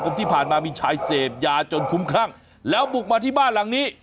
มีชายเสพยาจนคุ้มคร่างแล้วบุกมาที่บ้านหลังนี้